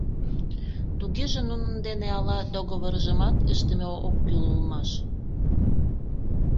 — Тугеже нунын дене ала договоржымат ыштыме ок кӱл улмаш?